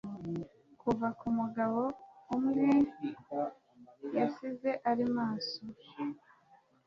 kuva ku mugabo umwe yasize ari maso